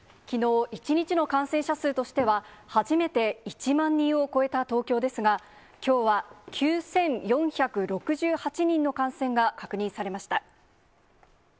きのう、１日の感染者数としては初めて１万人を超えた東京ですが、きょうは９４６８人の感染が確認されました。